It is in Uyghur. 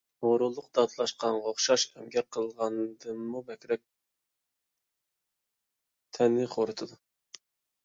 ھۇرۇنلۇق داتلاشقانغا ئوخشاش، ئەمگەك قىلغاندىنمۇ بەكرەك تەننى خورىتىدۇ.